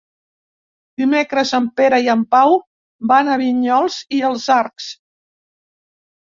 Dimecres en Pere i en Pau van a Vinyols i els Arcs.